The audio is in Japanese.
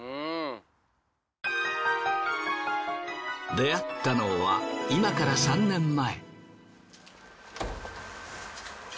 出会ったのは今から３年前。